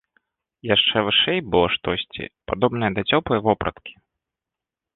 Яшчэ вышэй было штосьці, падобнае да цёплай вопраткі.